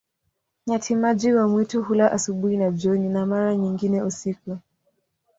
Nyati-maji wa mwitu hula asubuhi na jioni, na mara nyingine usiku.